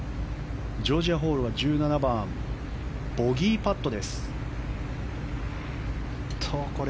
ジョージア・ホールは１７番、ボギーパット。